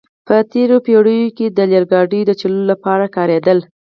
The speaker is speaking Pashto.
په تېرو پېړیو کې دا د اورګاډو د چلولو لپاره کارېدل.